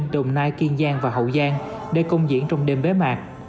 đồng nai kiên giang và hậu giang để công diễn trong đêm bế mạc